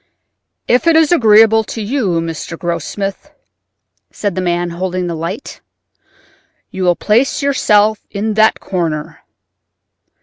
"If it is agreeable to you, Mr. Grossmith," said the man holding the light, "you will place yourself in that corner."